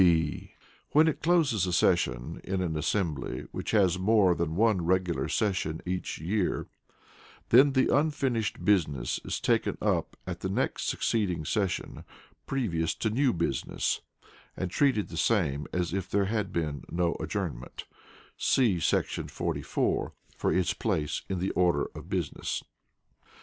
(b) When it closes a session in an assembly which has more than one regular session each year, then the unfinished business is taken up at the next succeeding session previous to new business, and treated the same as if there had been no adjournment [see § 44, for its place in the order of business].